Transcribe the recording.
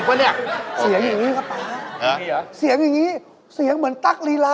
คิดว่ารถแม็กซ์ของความพักด้วยนะ